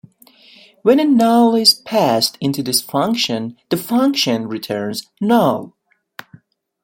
When a Null is passed into this function, the function returns Null.